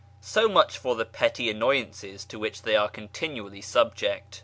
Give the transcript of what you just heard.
So much for the petty annoyances to which they are con tinually subject.